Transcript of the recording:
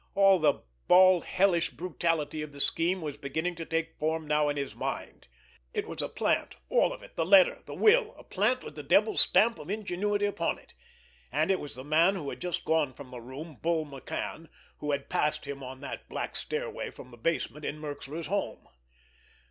All the bald, hellish brutality of the scheme was beginning to take form now in his mind. It was a plant, all of it, the letter, the will; a plant with the devil's stamp of ingenuity upon it—and it was the man who had just gone from the room, Bull McCann, who had passed him on that black stairway from the basement in Merxler's home!